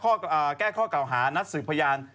แล้วก็แก้ข้อเก่าหานัดสืบพยาน